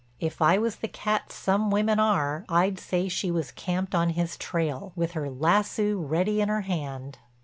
If I was the cat some women are, I'd say she was camped on his trail, with her lassoo ready in her hand.